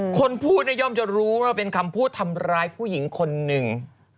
คนพูดย่อมจะรู้ว่าเป็นคำพูดทำร้ายผู้หญิงคนหนึ่ง